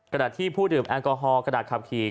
กระดาษที่ผู้ดื่มแอลกอฮอล์กระดาษคลับขี่